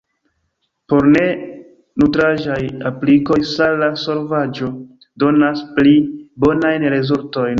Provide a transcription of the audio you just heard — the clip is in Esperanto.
Por ne-nutraĵaj aplikoj sala solvaĵo donas pli bonajn rezultojn.